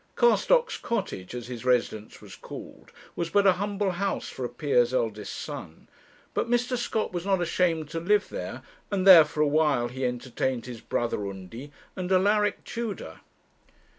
Ca'stocks Cottage, as his residence was called, was but a humble house for a peer's eldest son; but Mr. Scott was not ashamed to live there, and there for a while he entertained his brother Undy and Alaric Tudor.